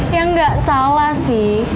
ya gak salah sih